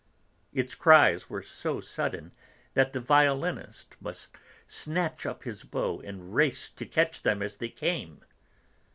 Its cries were so sudden that the violinist must snatch up his bow and race to catch them as they came.